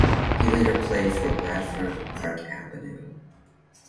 He later played for Bradford (Park Avenue).